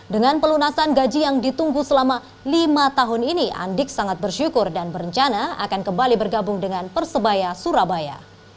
dengan pelunasan gaji yang ditunggu selama lima tahun ini andik sangat bersyukur dan berencana akan kembali bergabung dengan persebaya surabaya